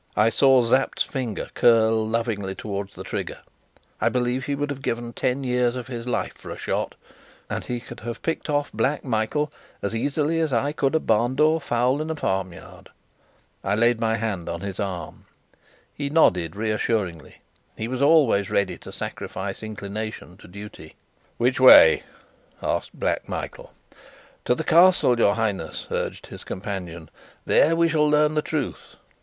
I saw Sapt's finger curl lovingly towards the trigger. I believe he would have given ten years of his life for a shot; and he could have picked off Black Michael as easily as I could a barn door fowl in a farmyard. I laid my hand on his arm. He nodded reassuringly: he was always ready to sacrifice inclination to duty. "Which way?" asked Black Michael. "To the Castle, your Highness," urged his companion. "There we shall learn the truth."